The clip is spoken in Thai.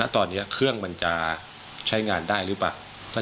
ตอนนี้เครื่องมันจะใช้งานได้หรือเปล่า